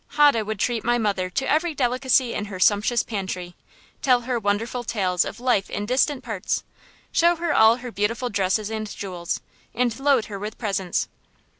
Hode would treat my mother to every delicacy in her sumptuous pantry, tell her wonderful tales of life in distant parts, show her all her beautiful dresses and jewels, and load her with presents.